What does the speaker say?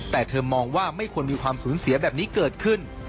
แต่เธอมองว่าไม่ควรมีความสูญเสียแบบนี้เกิดขึ้น